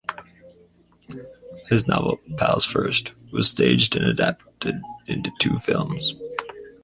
His novel "Pals First" was staged and adapted into two films.